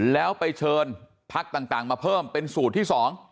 แล้วไปเชิญพักต่างมาเพิ่มเป็นสูตรที่๒